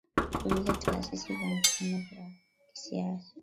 vile taasisi kwa mfano vyama vya kisiasa